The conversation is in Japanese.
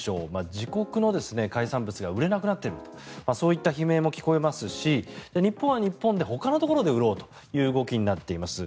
自国の海産物が売れなくなっているとそういった悲鳴も聞こえますし日本は日本でほかのところで売ろうという動きになっています。